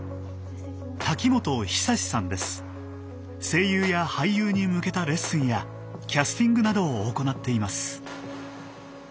声優や俳優に向けたレッスンやキャスティングなどを行っています。